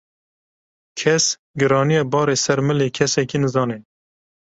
Kes giraniya barê ser milê kesekî nizane.